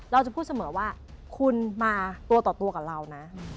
เราจะพูดเสมอว่าคุณมาตัวต่อตัวกับเรานะ